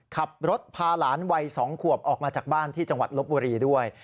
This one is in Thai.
ขับรถพาหลานวัย๒ขวบออกมาจากบ้านที่จังหวัดลบบุรีด้วย